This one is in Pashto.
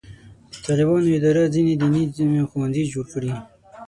د طالبانو اداره ځینې دیني ښوونځي جوړ کړي.